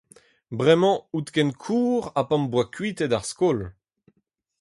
Bremañ out ken kozh ha pa ’m boa kuitaet ar skol.